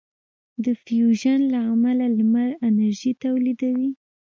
د فیوژن له امله لمر انرژي تولیدوي.